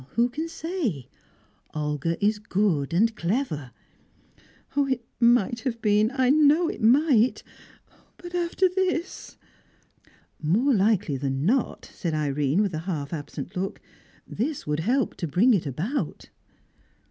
"Who can say? Olga is good and clever " "It might have been; I know it might. But after this?" "More likely than not," said Irene, with a half absent look, "this would help to bring it about."